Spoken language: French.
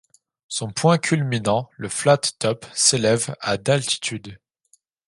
Son point culminant, le Flat Top, s'élève à d'altitude.